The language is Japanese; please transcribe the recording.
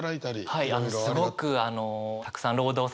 はい。